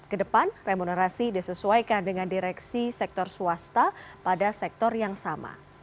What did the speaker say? kedepan remunerasi disesuaikan dengan direksi sektor swasta pada sektor yang sama